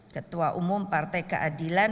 ketua umum partai keadilan